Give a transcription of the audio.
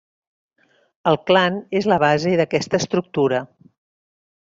El clan és la base d'aquesta estructura.